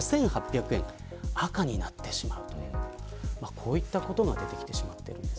こういったことが出てきてしまっているんです。